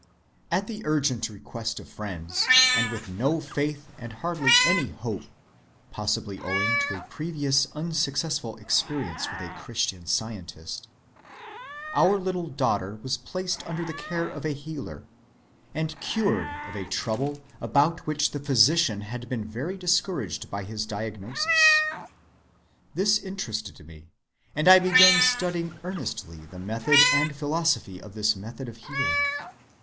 "At the urgent request of friends, and with no faith and hardly any hope (possibly owing to a previous unsuccessful experience with a Christian Scientist), our little daughter was placed under the care of a healer, and cured of a trouble about which the physician had been very discouraging in his diagnosis. This interested me, and I began studying earnestly the method and philosophy of this method of healing.